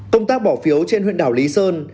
công tác bỏ phiếu trên huyện đảo lý sơn